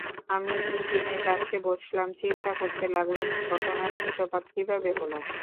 আমি ইঞ্জিনের কাছে বসলাম, চিন্তা করতে লাগলাম ঘটনার সূত্রপাত কীভাবে হলো।